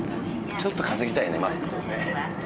ちょっと稼ぎたいねまだね。